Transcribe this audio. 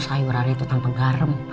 sayuran itu tanpa garam